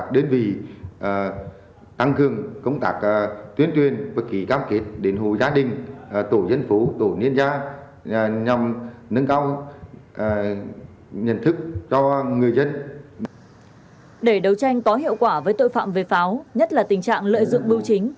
để đấu tranh có hiệu quả với tội phạm về pháo nhất là tình trạng lợi dụng bưu chính